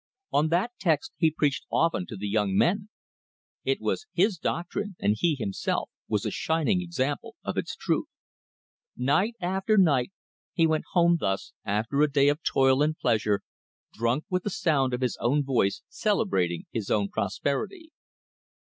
On that text he preached often to the young men. It was his doctrine, and he, himself, was a shining example of its truth. Night after night he went home thus, after a day of toil and pleasure, drunk with the sound of his own voice celebrating his own prosperity.